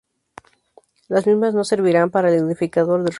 Las mismas nos servirán para el identificador del router.